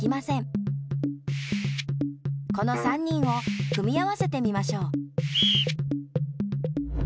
この３人を組み合わせてみましょう。